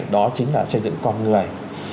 đó chính là xây dựng con người